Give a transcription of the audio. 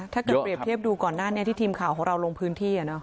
เปรียบเทียบดูก่อนหน้านี้ที่ทีมข่าวของเราลงพื้นที่